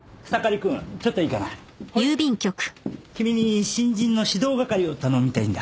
君に新人の指導係を頼みたいんだ。